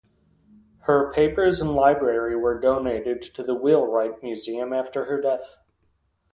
Her papers and library were donated to the Wheelwright Museum after her death.